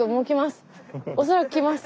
恐らく来ます！